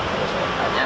kalau saya bertanya